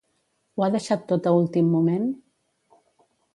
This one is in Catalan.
Ho ha deixat tot a últim moment?